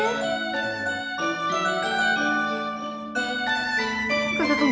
kok gak keluar nih